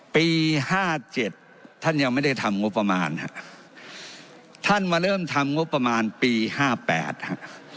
ปีห้าเจ็ดท่านยังไม่ได้ทำงบประมาณฮะท่านมาเริ่มทำงบประมาณปีห้าแปดฮะ